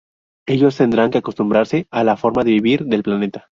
Ellos tendrán que acostumbrarse a la forma de vivir del planeta.